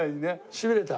しびれた。